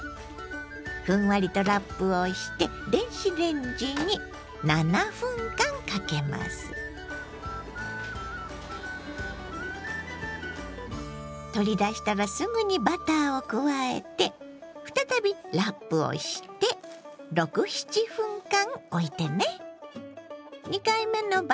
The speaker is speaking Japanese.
ふんわりとラップをして取り出したらすぐにバターを加えて再びラップをして６７分間おいてね。